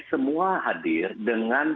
semua hadir dengan